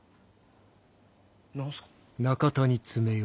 何すか？